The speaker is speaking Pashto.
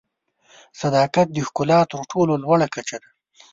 صداقت د ښکلا تر ټولو لوړه کچه ده.